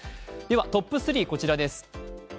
トップ３はこちらです。